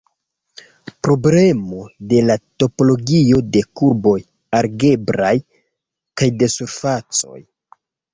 Problemo de la topologio de kurboj algebraj kaj de surfacoj.